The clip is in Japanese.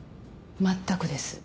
全くです。